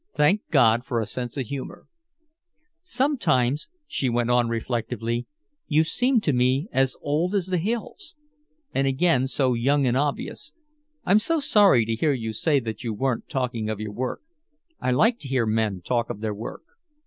Thank God for a sense of humor. "Sometimes," she went on, reflectively, "you seem to me as old as the hills and again so young and obvious. I'm so sorry to hear you say that you weren't talking of your work. I like to hear men talk of their work."